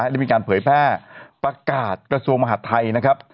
ได้มีการเผยแพร่ประกาศกระทรวงมหาดไทยนะครับ